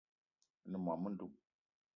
Me ne mô-mendum